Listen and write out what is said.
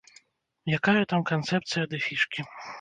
Якая там канцэпцыя ды фішкі!